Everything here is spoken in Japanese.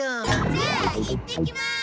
じゃあ行ってきます！